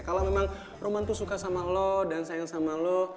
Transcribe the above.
kalau memang roman tuh suka sama lo dan sayang sama lo